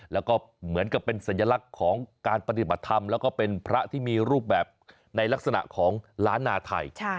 แล้วก็เหมือนกับเป็นสัญลักษณ์ของการปฏิบัติธรรมแล้วก็เป็นพระที่มีรูปแบบในลักษณะของล้านนาไทย